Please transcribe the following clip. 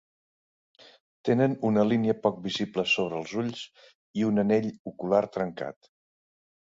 Tenen una línia poc visible sobre els ulls i un anell ocular trencat.